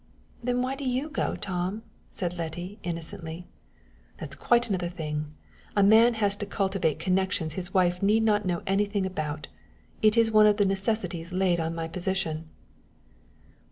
"Then why do you go, Tom?" said Letty, innocently. "That's quite another thing! A man has to cultivate connections his wife need not know anything about. It is one of the necessities laid on my position."